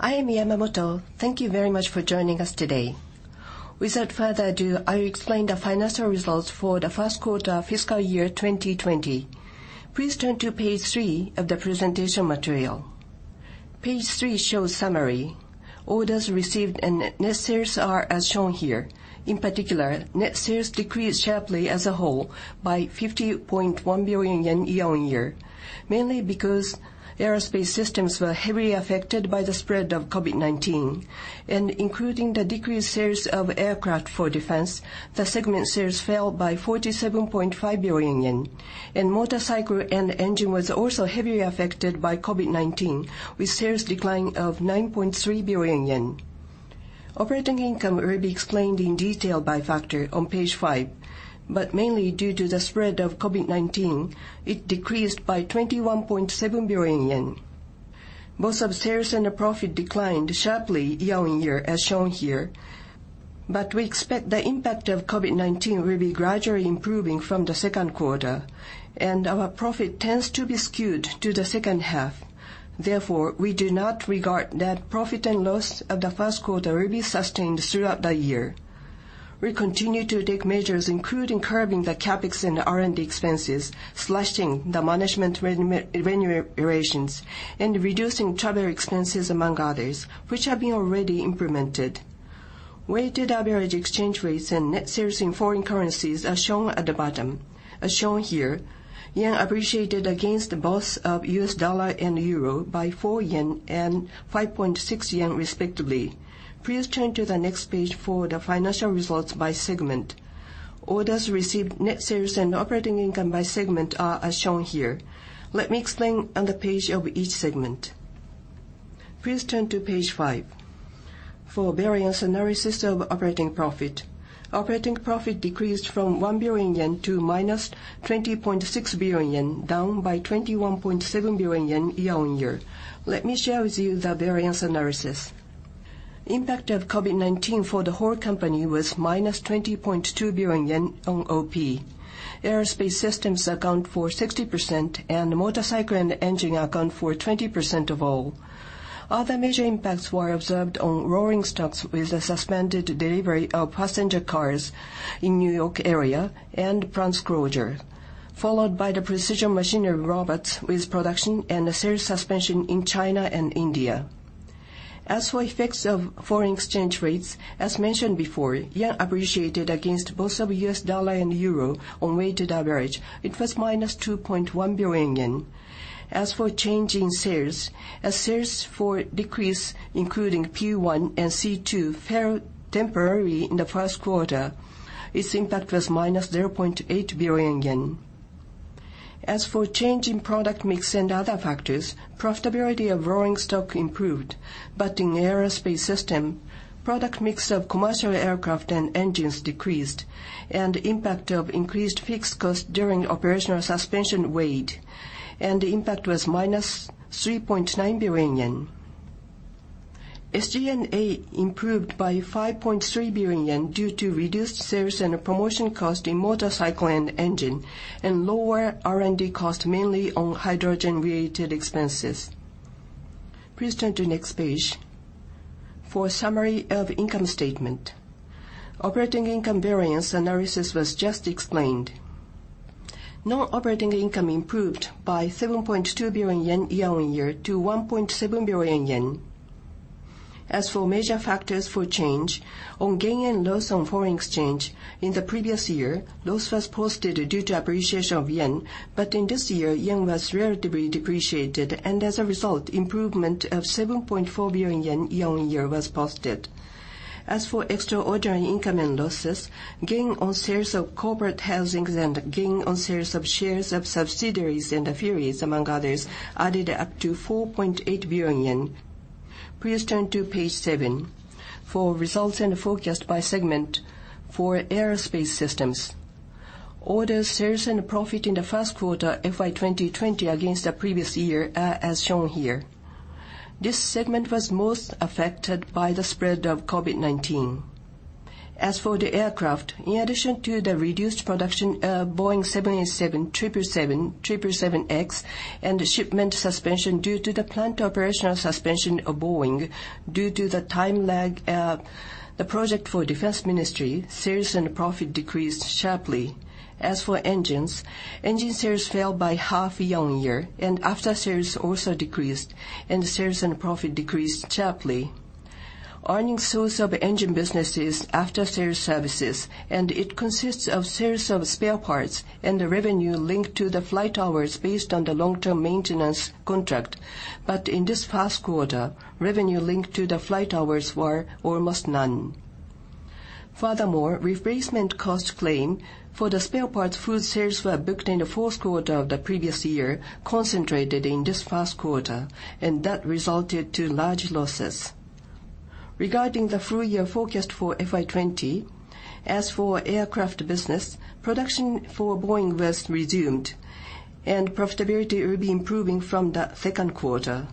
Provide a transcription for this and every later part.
I am Yamamoto. Thank you very much for joining us today. Without further ado, I'll explain the financial results for the first quarter of fiscal year 2020. Please turn to page three of the presentation material. Page three shows summary. Orders received and net sales are as shown here. In particular, net sales decreased sharply as a whole by 50.1 billion yen year-on-year, mainly because Aerospace Systems were heavily affected by the spread of COVID-19. Including the decreased sales of aircraft for defense, the segment sales fell by 47.5 billion yen. Motorcycle & Engine was also heavily affected by COVID-19, with sales decline of 9.3 billion yen. Operating income will be explained in detail by factor on page five, but mainly due to the spread of COVID-19, it decreased by 21.7 billion yen. Both sales and profit declined sharply year-on-year as shown here. We expect the impact of COVID-19 will be gradually improving from the second quarter, and our profit tends to be skewed to the second half. Therefore, we do not regard that profit and loss of the first quarter will be sustained throughout the year. We continue to take measures, including curbing the CapEx and R&D expenses, slashing the management remunerations, and reducing travel expenses among others, which have been already implemented. Weighted average exchange rates and net sales in foreign currencies are shown at the bottom. As shown here, yen appreciated against both US dollar and euro by 4 yen and 5.6 yen respectively. Please turn to the next page for the financial results by segment. Orders received, net sales, and operating income by segment are as shown here. Let me explain on the page of each segment. Please turn to page five for variance analysis of operating profit. Operating profit decreased from 1 billion yen to -20.6 billion yen, down by 21.7 billion yen year-on-year. Let me share with you the variance analysis. Impact of COVID-19 for the whole company was -20.2 billion yen on OP. Aerospace Systems account for 60%, and Motorcycle & Engine account for 20% of all. Other major impacts were observed on Rolling Stock with the suspended delivery of passenger cars in New York area and plants closure, followed by the Precision Machinery & Robot with production and sales suspension in China and India. As for effects of foreign exchange rates, as mentioned before, yen appreciated against both US dollar and euro. On weighted average, it was -2.1 billion yen. As for change in sales, as sales for decrease, including P-1 and C-2, fell temporarily in the first quarter, its impact was -0.8 billion yen. As for change in product mix and other factors, profitability of Rolling Stock improved. In Aerospace Systems, product mix of commercial aircraft and engines decreased, and impact of increased fixed cost during operational suspension weighed. The impact was -3.9 billion yen. SG&A improved by 5.3 billion yen due to reduced sales and promotion cost in Motorcycle & Engine and lower R&D cost, mainly on hydrogen-related expenses. Please turn to next page for summary of income statement. Operating income variance analysis was just explained. Non-operating income improved by 7.2 billion yen year-on-year to 1.7 billion yen. As for major factors for change, on gain and loss on foreign exchange in the previous year, loss was posted due to appreciation of yen. In this year, yen was relatively depreciated, and as a result, improvement of 7.4 billion yen year-on-year was posted. As for extraordinary income and losses, gain on sales of corporate housings and gain on sales of shares of subsidiaries and affiliates, among others, added up to 4.8 billion yen. Please turn to page seven for results and forecast by segment for Aerospace Systems. Orders, sales, and profit in the first quarter FY 2020 against the previous year are as shown here. This segment was most affected by the spread of COVID-19. As for the aircraft, in addition to the reduced production, Boeing 787, 777, 777X, and the shipment suspension due to the plant operational suspension of Boeing due to the time lag, the project for Ministry of Defense sales and profit decreased sharply. As for engines, engine sales fell by half year-on-year, and after-sales also decreased, and sales and profit decreased sharply. Earning source of engine business is after-sales services, and it consists of sales of spare parts and the revenue linked to the flight hours based on the long-term maintenance contract. In this first quarter, revenue linked to the flight hours were almost none. Furthermore, replacement cost claim for the spare parts whose sales were booked in the fourth quarter of the previous year concentrated in this first quarter, and that resulted to large losses. Regarding the full-year forecast for FY 2020, as for aircraft business, production for Boeing was resumed, and profitability will be improving from the second quarter.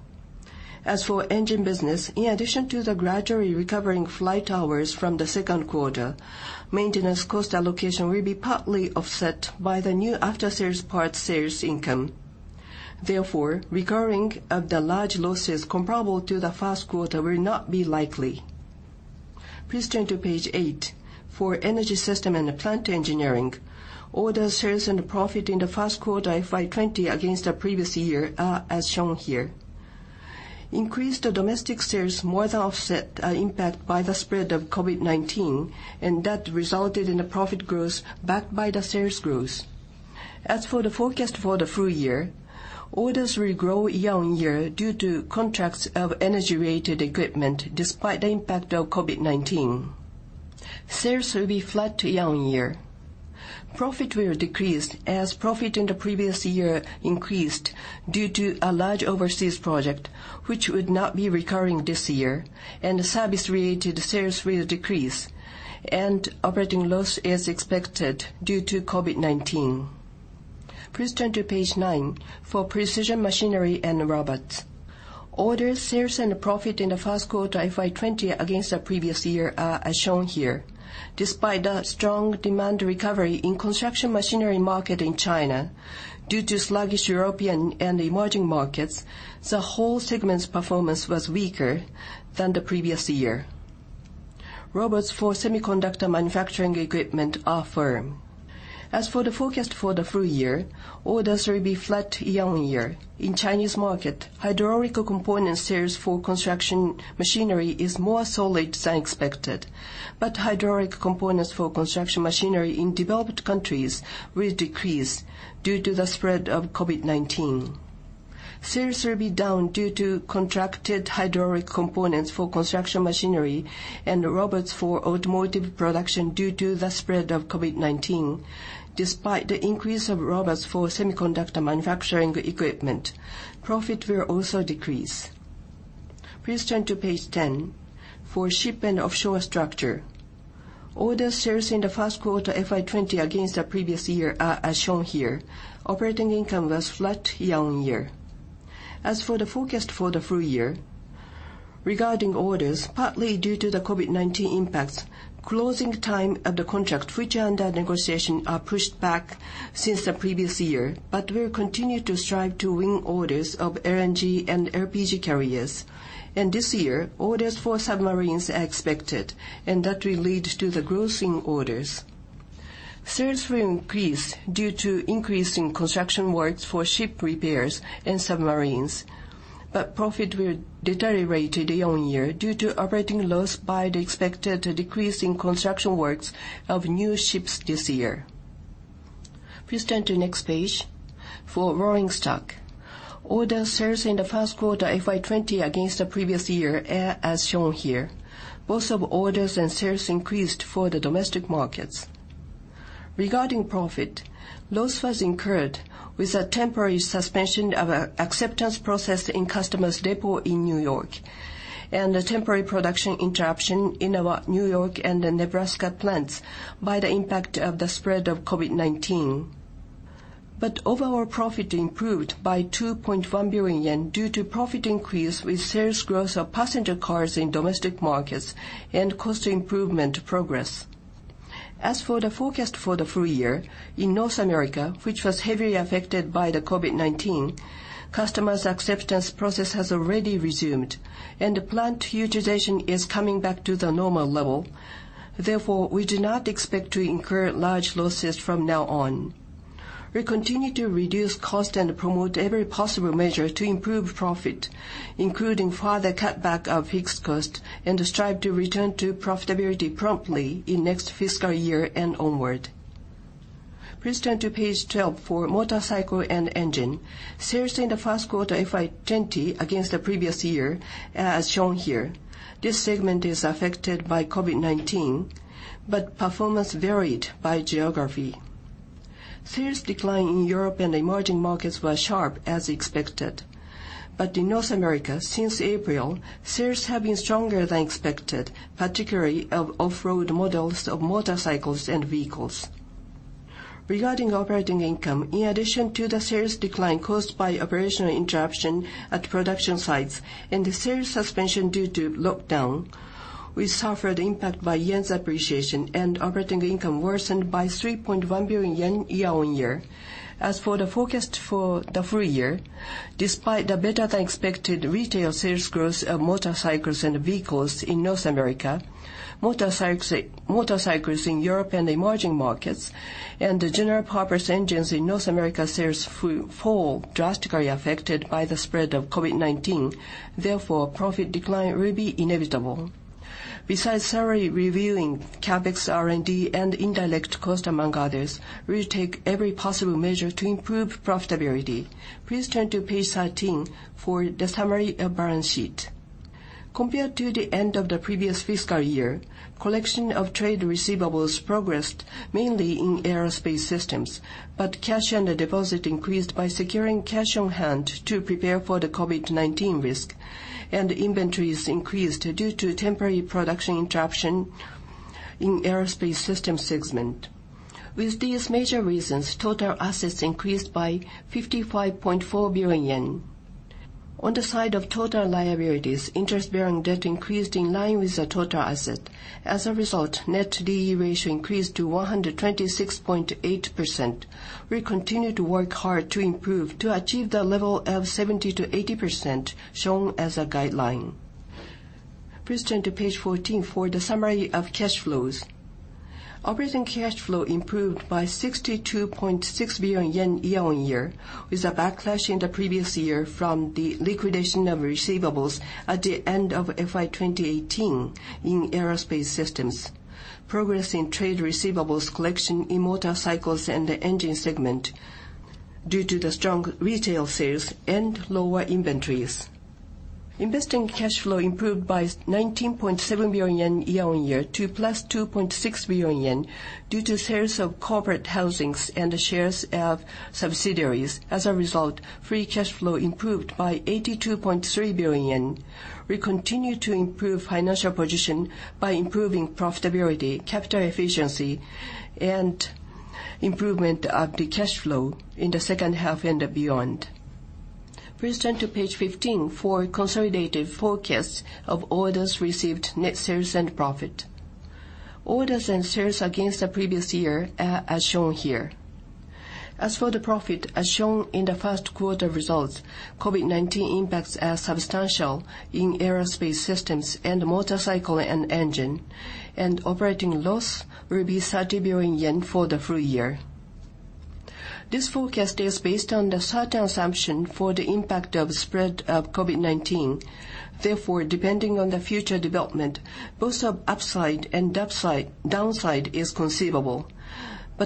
As for engine business, in addition to the gradually recovering flight hours from the second quarter, maintenance cost allocation will be partly offset by the new after-sales part sales income. Therefore, recurring of the large losses comparable to the first quarter will not be likely. Please turn to page eight for energy system and plant engineering. Orders, sales, and profit in the first quarter FY 2020 against the previous year are as shown here. Increased domestic sales more than offset impact by the spread of COVID-19, and that resulted in a profit growth backed by the sales growth. As for the forecast for the full-year, orders will grow year-on-year due to contracts of energy-rated equipment, despite the impact of COVID-19. Sales will be flat to year-on-year. Profit will decrease as profit in the previous year increased due to a large overseas project, which would not be recurring this year, and service-related sales will decrease, and operating loss is expected due to COVID-19. Please turn to page nine for Precision Machinery & Robot. Orders, sales, and profit in the first quarter FY 2020 against the previous year are as shown here. Despite a strong demand recovery in construction machinery market in China, due to sluggish European and emerging markets, the whole segment's performance was weaker than the previous year. Robots for semiconductor manufacturing equipment are firm. As for the forecast for the full-year, orders will be flat year-on-year. In Chinese market, hydraulic component sales for construction machinery is more solid than expected. Hydraulic components for construction machinery in developed countries will decrease due to the spread of COVID-19. Sales will be down due to contracted hydraulic components for construction machinery and robots for automotive production due to the spread of COVID-19. Despite the increase of robots for semiconductor manufacturing equipment, profit will also decrease. Please turn to page 10 for Ship & Offshore Structure. Orders, sales in the first quarter FY 2020 against the previous year are as shown here. Operating income was flat year-on-year. As for the forecast for the full-year, regarding orders, partly due to the COVID-19 impacts, closing time of the contract, which are under negotiation, are pushed back since the previous year, but we will continue to strive to win orders of LNG and LPG carriers. This year, orders for submarines are expected, and that will lead to the growth in orders. Profit will deteriorate to year-on-year due to operating loss by the expected decrease in construction works of new ships this year. Please turn to next page for Rolling Stock. Orders, sales in the first quarter FY 2020 against the previous year are as shown here. Both orders and sales increased for the domestic markets. Regarding profit, loss was incurred with a temporary suspension of an acceptance process in customer's depot in New York and a temporary production interruption in our New York and the Nebraska plants by the impact of the spread of COVID-19. Overall profit improved by 2.1 billion yen due to profit increase with sales growth of passenger cars in domestic markets and cost improvement progress. As for the forecast for the full-year, in North America, which was heavily affected by the COVID-19, customer's acceptance process has already resumed, and the plant utilization is coming back to the normal level. Therefore, we do not expect to incur large losses from now on. We continue to reduce cost and promote every possible measure to improve profit, including further cutback of fixed cost, and strive to return to profitability promptly in next fiscal year and onward. Please turn to page 12 for Motorcycle & Engine. Sales in the first quarter FY 2020 against the previous year are as shown here. This segment is affected by COVID-19. Performance varied by geography. Sales decline in Europe and emerging markets were sharp as expected. In North America, since April, sales have been stronger than expected, particularly of off-road models of motorcycles and vehicles. Regarding operating income, in addition to the sales decline caused by operational interruption at production sites and the sales suspension due to lockdown, we suffered impact by yen's appreciation and operating income worsened by 3.1 billion yen year-on-year. As for the forecast for the full-year, despite the better-than-expected retail sales growth of motorcycles and vehicles in North America, motorcycles in Europe and emerging markets, and the general purpose engines in North America sales fall drastically affected by the spread of COVID-19. Therefore, profit decline will be inevitable. Besides thoroughly reviewing CapEx, R&D, and indirect cost, among others, we'll take every possible measure to improve profitability. Please turn to page 13 for the summary of balance sheet. Compared to the end of the previous fiscal year, collection of trade receivables progressed mainly in Aerospace Systems. Cash and deposit increased by securing cash on hand to prepare for the COVID-19 risk, and inventories increased due to temporary production interruption in Aerospace Systems segment. With these major reasons, total assets increased by 55.4 billion yen. On the side of total liabilities, interest-bearing debt increased in line with the total asset. As a result, net D/E ratio increased to 126.8%. We continue to work hard to improve to achieve the level of 70%-80% shown as a guideline. Please turn to page 14 for the summary of cash flows. Operating cash flow improved by 62.6 billion yen year-on-year, with a backlash in the previous year from the liquidation of receivables at the end of FY 2018 in Aerospace Systems. Progress in trade receivables collection in Motorcycle & Engine segment, due to the strong retail sales and lower inventories. Investing cash flow improved by 19.7 billion yen year-on-year to plus 2.6 billion yen, due to sales of corporate housings and the shares of subsidiaries. As a result, free cash flow improved by 82.3 billion. We continue to improve financial position by improving profitability, capital efficiency, and improvement of the cash flow in the second half and beyond. Please turn to page 15 for consolidated forecasts of orders received, net sales, and profit. Orders and sales against the previous year are as shown here. As for the profit, as shown in the first quarter results, COVID-19 impacts are substantial in Aerospace Systems and Motorcycle & Engine, and operating loss will be 30 billion yen for the full-year. This forecast is based on the certain assumption for the impact of spread of COVID-19. Therefore, depending on the future development, both upside and downside is conceivable.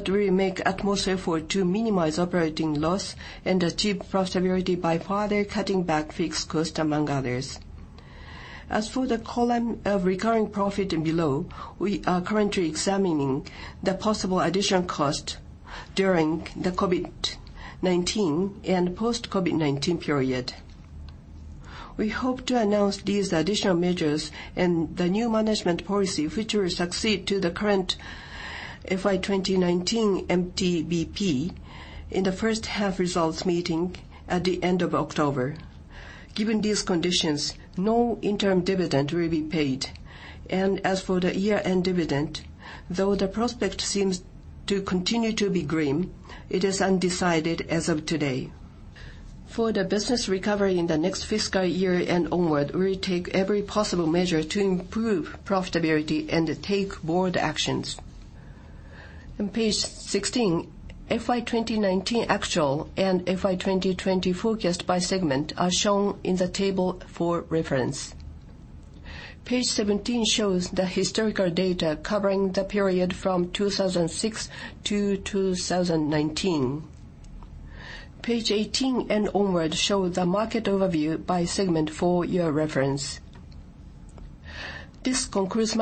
We make utmost effort to minimize operating loss and achieve profitability by further cutting back fixed cost, among others. As for the column of recurring profit and below, we are currently examining the possible additional cost during the COVID-19 and post-COVID-19 period. We hope to announce these additional measures and the new management policy, which will succeed to the current FY 2019 MTBP in the first half results meeting at the end of October. Given these conditions, no interim dividend will be paid. As for the year-end dividend, though the prospect seems to continue to be grim, it is undecided as of today. For the business recovery in the next fiscal year and onward, we'll take every possible measure to improve profitability and take bold actions. On page 16, FY 2019 actual and FY 2020 forecast by segment are shown in the table for reference. Page 17 shows the historical data covering the period from 2006 to 2019. Page 18 and onward show the market overview by segment for your reference. This concludes.